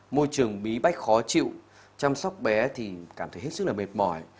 môi trường bí bách khó chịu chăm sóc bé thì cảm thấy hết sức là mệt mỏi